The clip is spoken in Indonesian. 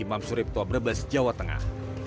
pembangunan tanjung brebes jawa tengah